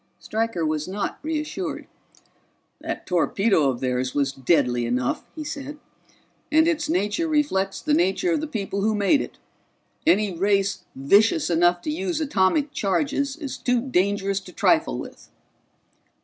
Stryker was not reassured. "That torpedo of theirs was deadly enough," he said. "And its nature reflects the nature of the people who made it. Any race vicious enough to use atomic charges is too dangerous to trifle with."